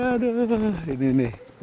yaudah ini nih